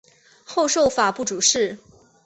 后授法部主事。